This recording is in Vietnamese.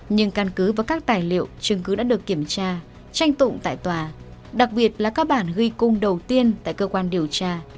nhưng căn cứ và các tài liệu chứng cứ đã được kiểm tra tranh tụng tại tòa đặc biệt là các bản ghi cung đầu tiên tại cơ quan điều tra